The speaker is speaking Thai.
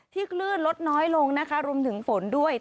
คลื่นลดน้อยลงนะคะรวมถึงฝนด้วย